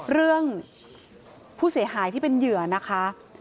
เรื่องผู้เสียหายที่เป็นเหยื่อนะคะ